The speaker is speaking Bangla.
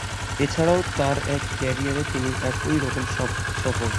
এছাড়াও তার একক ক্যারিয়ারে তিনি একই রকম সফল।